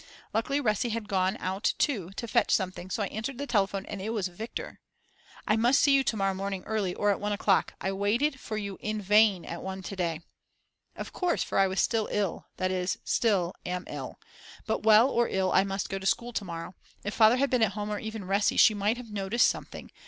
Luckily Resi had gone out too to fetch something so I answered the telephone, and it was Viktor! "I must see you to morrow morning early or at 1 o'clock; I waited for you in vain at 1 to day." Of course, for I was still ill, that is still am ill. But well or ill I must go to school to morrow. If Father had been at home; or even Resi, she might have noticed something.